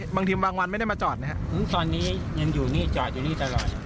บางทีบางวันไม่ได้มาจอดนะครับตอนนี้ยังอยู่นี่จอดอยู่นี่ตลอด